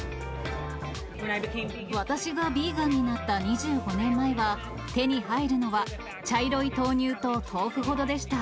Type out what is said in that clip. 私がビーガンになった２５年前は、手に入るのは、茶色い豆乳と豆腐ほどでした。